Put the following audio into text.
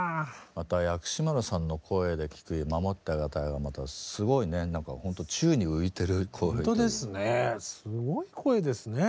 また薬師丸さんの声で聴く「守ってあげたい」がまたすごいねなんかほんと宙に浮いてる声っていうか。